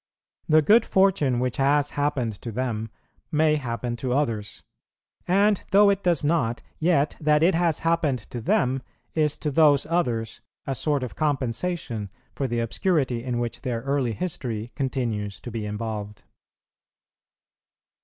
The good fortune which has happened to them, may happen to others; and though it does not, yet that it has happened to them, is to those others a sort of compensation for the obscurity in which their early history continues to be involved.